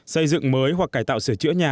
xây dựng mới hoặc cải tạo sửa chữa nhà